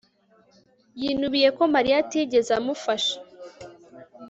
yinubiye ko mariya atigeze amufasha